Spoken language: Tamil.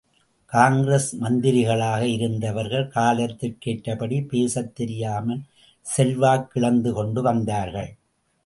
காங்கிரஸ் மந்திரிகளாக இருந்தவர்கள் காலத்திற்கேற்றபடி பேசத் தெரியாமல் செல்வாக்கிழந்து கொண்டு வந்தார்கள்.